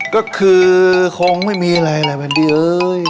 ก็คือคงไม่มีอะไรแหละมันดีเอ้ย